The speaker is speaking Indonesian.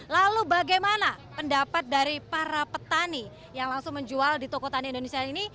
lalu bagaimana pendapat dari para petani yang langsung menjual di toko tani indonesia ini